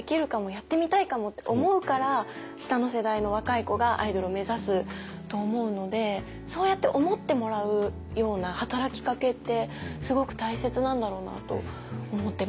やってみたいかも！って思うから下の世代の若い子がアイドルを目指すと思うのでそうやって思ってもらうような働きかけってすごく大切なんだろうなと思ってます。